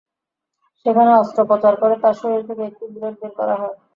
সেখানে অস্ত্রোপচার করে তাঁর শরীর থেকে একটি বুলেট বের করা হয়।